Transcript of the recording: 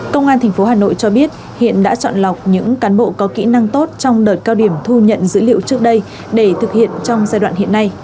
công an tp hà nội cho biết hiện đã chọn lọc những cán bộ có kỹ năng tốt trong đợt cao điểm thu nhận dữ liệu trước đây để thực hiện trong giai đoạn hiện nay